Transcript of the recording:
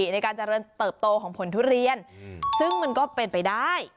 ในการเจริญเติบโตของผลทุเรียนซึ่งมันก็เป็นไปได้